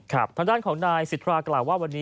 ครับท่านด้านของชาวนายสิราะก้าวว่าวันนี้